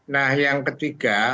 nah yang ketiga